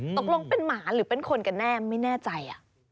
ตกลงเป็นหมาหรือเป็นคนกันแน่ไม่แน่ใจ